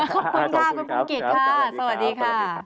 ขอบคุณค่ะคุณภูเก็ตสวัสดีค่ะ